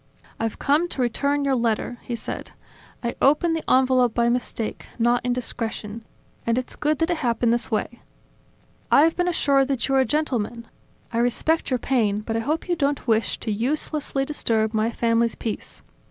"I've come to return your letter," he said. "I opened the envelope by mistake, not indiscretion; and it's good that it happened this way. I have been assured that you are a gentleman. I respect your pain, but I hope you don't wish to uselessly disturb my family's peace.